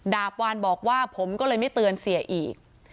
ดาบวานบอกว่าผมก็เลยไม่เตือนเสียอีก